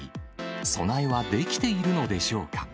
備えはできているのでしょうか。